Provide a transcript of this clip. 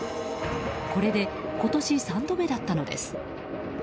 これで今年３度目だったのです。